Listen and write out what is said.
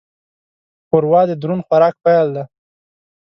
ښوروا د دروند خوراک پیل دی.